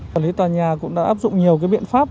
quản lý tòa nhà cũng đã áp dụng nhiều biện pháp